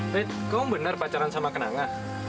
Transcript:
rid kamu benar pacaran sama kenanga